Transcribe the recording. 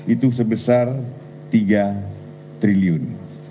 itu sebesar tiga triliun